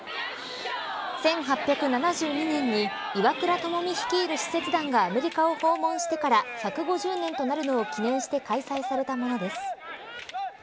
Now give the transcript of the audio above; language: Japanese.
１８７２年に岩倉具視率いる使節団がアメリカを訪問してから１５０年となるのを記念して開催されたものです。